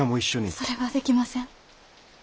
それはできません。